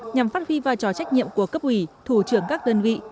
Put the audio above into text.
nhằm phát huy vai trò trách nhiệm của cấp ủy thủ trưởng các đơn vị